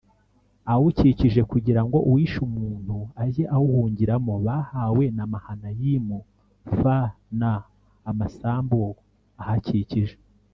awukikije kugira ngo uwishe umuntu ajye awuhungiramo Bahawe na Mahanayimu f n amasambu ahakikije